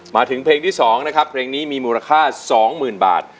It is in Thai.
มาถึงเพลงที่๒นะครับเพลงนี้มีมูลค่า๒๐๐๐บาท